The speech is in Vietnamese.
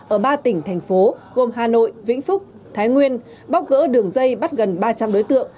ở ba tỉnh thành phố gồm hà nội vĩnh phúc thái nguyên bóc gỡ đường dây bắt gần ba trăm linh đối tượng